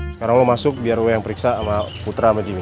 sekarang lo masuk biar lo yang periksa sama putra sama jimm